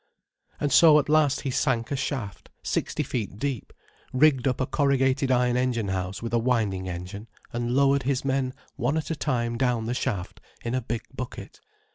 And so at last he sank a shaft, sixty feet deep, rigged up a corrugated iron engine house with a winding engine, and lowered his men one at a time down the shaft, in a big bucket.